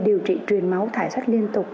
điều trị truyền máu thải sát liên tục